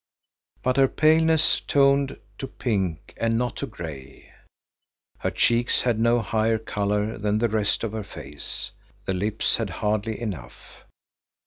But her paleness toned to pink and not to gray. Her cheeks had no higher color than the rest of her face, the lips had hardly enough.